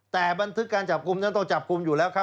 แต่บันทึกการจับกลุ่มนั้นต้องจับกลุ่มอยู่แล้วครับ